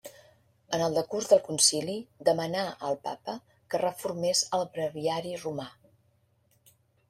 En el decurs del concili demanà al Papa que reformés el breviari romà.